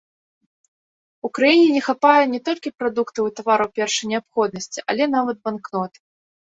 У краіне не хапае не толькі прадуктаў і тавараў першай неабходнасці, але нават банкнот.